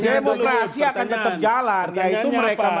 demokrasi akan tetap jalan